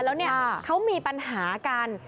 แล้วเขามีปัญหากัน